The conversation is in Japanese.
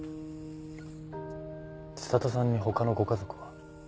知里さんに他のご家族は？